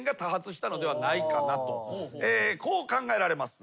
こう考えられます。